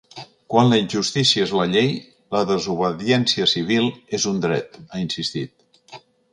Quan la injustícia és la llei, la desobediència civil és un dret, ha insistit.